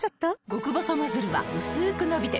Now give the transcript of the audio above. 極細ノズルはうすく伸びて